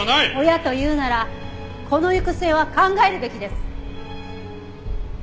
親と言うなら子の行く末は考えるべきです。